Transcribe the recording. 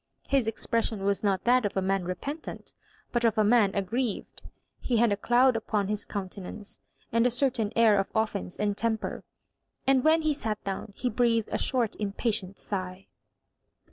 His expres sion was not that of a man. repentant, but of a man aggrieved. He had a cloud upon his coun tenance, and a certain air of offence and temper ; and when he sat down, he breathed a short im patient sigh.